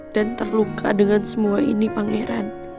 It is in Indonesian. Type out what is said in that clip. dan terluka dengan semua ini pangeran